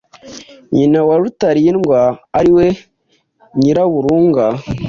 Nyina wa Rutalindwa, ari we Nyiraburunga,